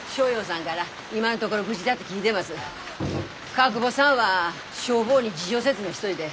川久保さんは消防に事情説明しといで。